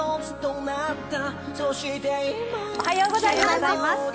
おはようございます。